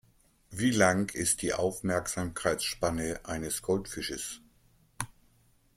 Wie lang ist die Aufmerksamkeitsspanne eines Goldfisches?